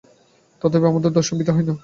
তথাপি আমার দর্শন বৃথা হয় না।